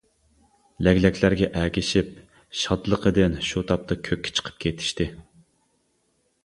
لەگلەكلەرگە ئەگىشىپ، شادلىقىدىن شۇ تاپتا، كۆككە چىقىپ كېتىشتى.